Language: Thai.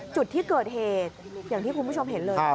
จุดที่เกิดเหตุอย่างที่คุณผู้ชมเห็นเลย